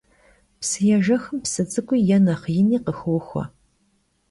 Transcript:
Psıêjjexım psı ts'ık'ui yê nexh yini khıxoxue.